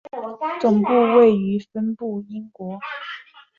总部位于分别英国。